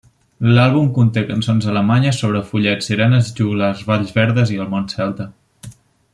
L'àlbum conté cançons alemanyes sobre follets, sirenes, joglars, valls verdes i el món celta.